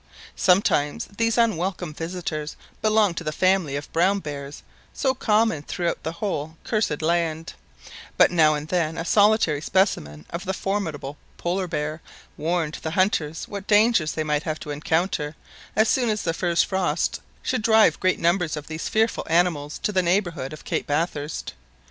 Sometimes these unwelcome visitors belonged to the family of brown bears, so common throughout the whole "Cursed Land; "but now and then a solitary specimen of the formidable Polar bear warned the hunters what dangers they might have to encounter so soon as the first frost should drive great numbers of these fearful animals to the neighbourhood of Cape Bathurst.